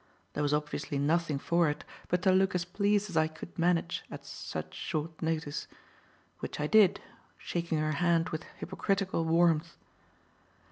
There was obviously nothing for it but to look as pleased as I could manage at such short notice; which I did, shaking her hand with hypocritical warmth.